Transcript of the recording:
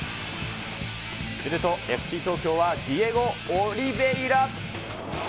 するとＦＣ東京はディエゴ・オリヴェイラ。